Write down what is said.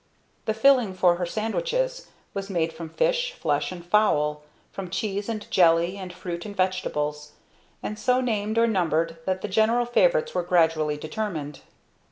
The filling for her sandwiches was made from fish, flesh, and fowl; from cheese and jelly and fruit and vegetables; and so named or numbered that the general favorites were gradually determined.